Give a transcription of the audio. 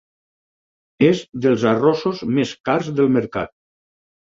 És dels arrossos més cars del mercat.